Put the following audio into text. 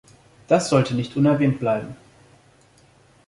Das sollte nicht unerwähnt bleiben.